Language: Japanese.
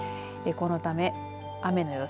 このため雨の予想